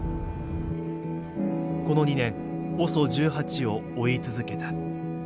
この２年ＯＳＯ１８を追い続けた。